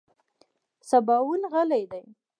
سباوون غلی دی .